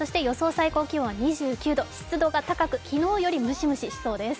最高気温は２９度、湿度が高く昨日よりムシムシしそうです。